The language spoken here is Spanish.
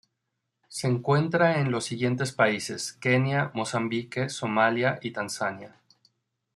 Se encuentra en en los siguientes países: Kenia, Mozambique, Somalia y Tanzania.